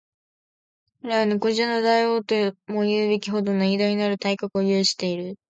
彼は猫中の大王とも云うべきほどの偉大なる体格を有している